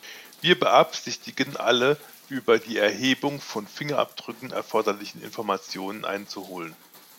Wir beabsichtigen, alle über die Erhebung von Fingerabdrücken erforderlichen Informationen einzuholen.